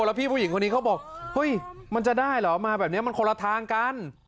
แล้วพี่ผู้หญิงคนนี้เขาบอกเฮ้ยมันจะได้เหรอมาแบบนี้มันคนละทางกัน